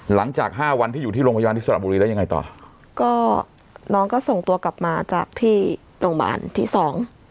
หลังจากห้าวันที่อยู่ที่โรงพยาบาลที่สระบุรีแล้วยังไงต่อก็น้องก็ส่งตัวกลับมาจากที่โรงพยาบาลที่สอง